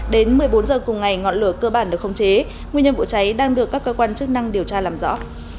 đến một mươi bốn h cùng ngày ngọn lửa cơ bản được khống chế nguyên nhân vụ cháy đang được các cơ quan chức năng điều tra làm rõ